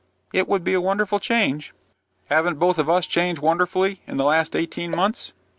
"It would be a wonderful change." "Haven't both of us changed wonderfully in the last eighteen months?"